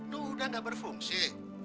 lo udah gak berfungsi